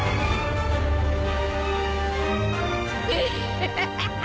フハハハ！